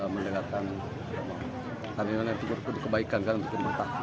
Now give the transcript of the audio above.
mendekatkan karyawan yang berbuat kebaikan untuk pemerintah